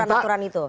menguji aturan itu